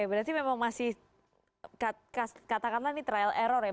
berarti memang masih katakanlah ini trial error ya